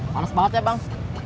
manis banget ya bang